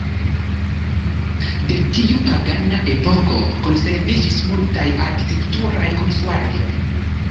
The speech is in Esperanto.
De tiu pagana epoko konserviĝis multaj arkitekturaj konstruaĵoj.